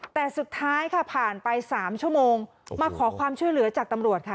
แต่สุดท้ายค่ะผ่านไป๓ชั่วโมงมาขอความช่วยเหลือจากตำรวจค่ะ